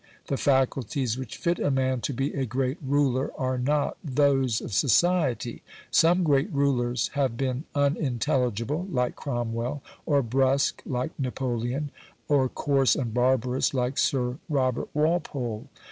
The faculties which fit a man to be a great ruler are not those of society; some great rulers have been unintelligible like Cromwell, or brusque like Napoleon, or coarse and barbarous like Sir Robert Walpole.